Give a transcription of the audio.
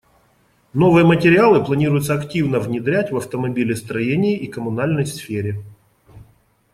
Новые материалы планируется активно внедрять в автомобилестроении и коммунальной сфере.